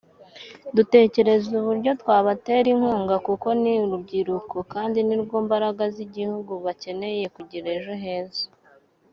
dutekereza uburyo twabatera inkunga kuko ni urubyiruko kandi nirwo mbaraga z’igihugu bakeneye kugira ejo heza”